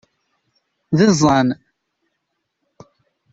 D iẓẓan!